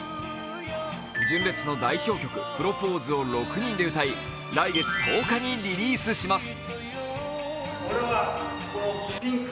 純烈の代表曲「プロポーズ」を６人で歌い来月１０日にリリースします。